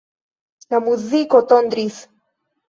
La muziko tondris.